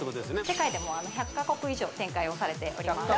世界でもうあの１００か国以上展開をされております